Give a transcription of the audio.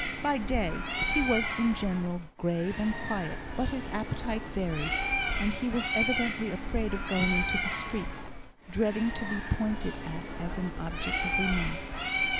By day, he was in general grave and quiet; but his appetite varied, and he was evidently afraid of going into the streets, dreading to be pointed at as an object of remark.